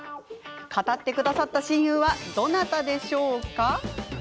語ってくださった親友はどなたでしょうか？